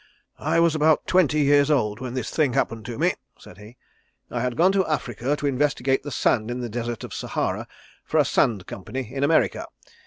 "I was about twenty years old when this thing happened to me," said he. "I had gone to Africa to investigate the sand in the Desert of Sahara for a Sand Company in America.